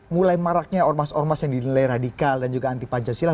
mulai maraknya ormas ormas yang dinilai radikal dan juga anti pancasila